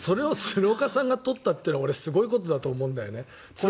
それを鶴岡さんがとったというのは俺、すごいことだと思うんだよね。